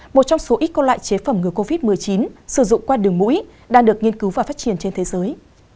một trong số ít các loại chế phẩm ngừa covid một mươi chín sử dụng qua đường mũi đang được nghiên cứu và phát triển trên thế giới